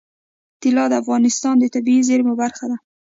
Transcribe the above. طلا د افغانستان د طبیعي زیرمو برخه ده.